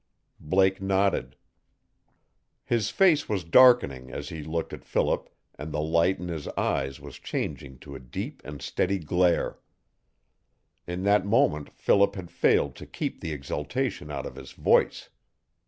Blake nodded. His face was darkening as he looked at Philip and the light in his eyes was changing to a deep and steady glare. In that moment Philip had failed to keep the exultation out of his voice.